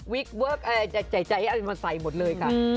วิกเวิร์กใจเอามาใส่หมดเลยค่ะ